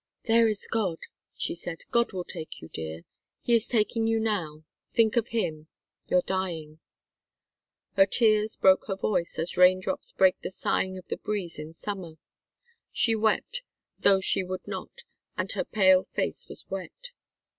"There is God," she said. "God will take you, dear He is taking you now. Think of Him. You're dying." Her tears broke her voice, as raindrops break the sighing of the breeze in summer. She wept, though she would not, and her pale face was wet.